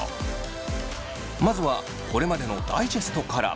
まずはこれまでのダイジェストから。